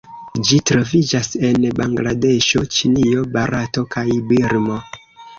Ĝi troviĝas en Bangladeŝo, Ĉinio, Barato kaj Birmo.